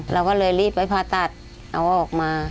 เราก็เลยรีบไปผ่าตัดเอาออกมา